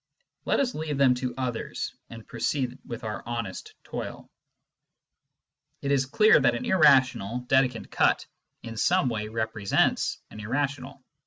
Let us leave them to others and proceed with our honest toil. It is clear that an irrational Dedekind cut in some way " repre sents " an irrational.